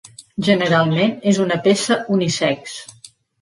Generalment és una peça unisex.